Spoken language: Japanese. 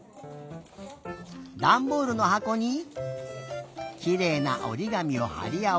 ダンボールのはこにきれいなおりがみをはりあわせて。